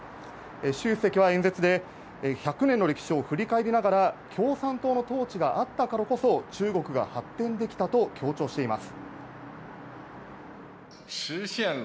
シュウ主席は演説で、１００年の歴史を振り返りながら、共産党の統治があったからこそ中国が発展できたと強調しています。